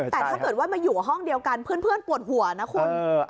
แต่ถ้าเกิดว่ามาอยู่ห้องเดียวกันเพื่อนปวดหัวนะคุณ